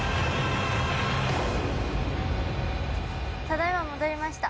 ただ今戻りました。